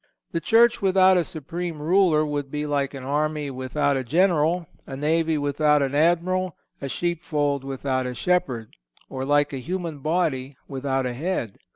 The Church without a supreme Ruler would be like an army without a general, a navy without an admiral, a sheep fold without a shepherd, or like a human body without a head.